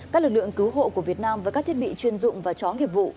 các lực lượng cứu hộ của việt nam với các thiết bị chuyên dụng và chó nghiệp vụ